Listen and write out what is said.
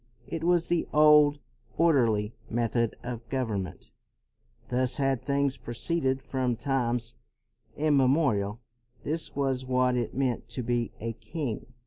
It was the old, orderly method of government; thus had things proceeded from times immemorial; this was what it meant to be a king.